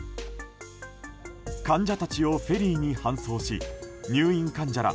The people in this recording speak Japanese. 患者たちをフェリーに搬送し入院患者ら